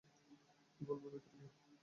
কী বলবো ভিতরে গিয়ে?